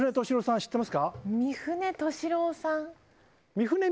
知ってます。